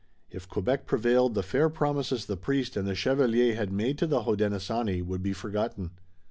If Quebec prevailed, the fair promises the priest and the chevalier had made to the Hodenosaunee would be forgotten.